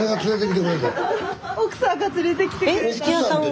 奥さんが連れてきてくれたんです。